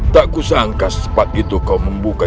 tak kusangka secepat itu kau membuka